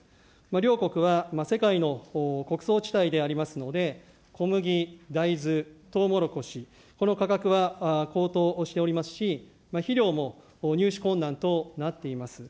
両国は世界の穀倉地帯でありますので、小麦、大豆、とうもろこし、この価格は高騰しておりますし、肥料も入手困難となっています。